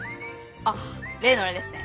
あっ例のあれですね。